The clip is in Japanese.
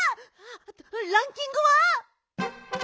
ランキングは？